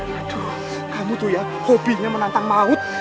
aduh kamu tuh ya hobinya menantang maut